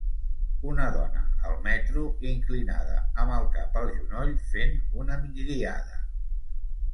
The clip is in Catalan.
Una dona al metro, inclinada amb el cap al genoll fent una migdiada.